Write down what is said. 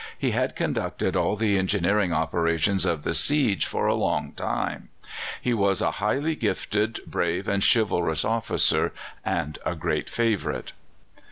He had conducted all the engineering operations of the siege for a long time. He was a highly gifted, brave and chivalrous officer, and a great favourite."